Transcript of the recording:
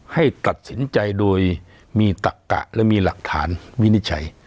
ให้ตัดสินใจโดยมีตักกะและมีหลักฐานวินิจฉัย